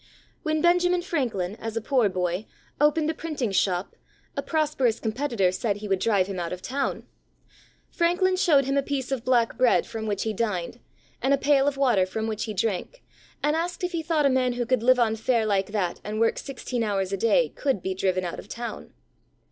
When Benjamin Franklin, as a poor boy, opened a printing shop, a prosperous com petitor said he would drive him out of town. Franklin showed him a piece of black bread from which he dined, and a pail of water from which he drank, and asked if he thought a man who could live on fare like that and work sixteen hours a day could be driven out of town